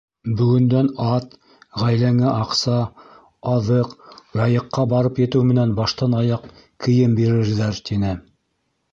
Бөгөндән ат, ғаиләңә аҡса, аҙыҡ, Яйыҡҡа барып етеү менән баштан-аяҡ кейем бирерҙәр, — тине.